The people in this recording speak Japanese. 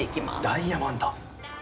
ダイヤモンド。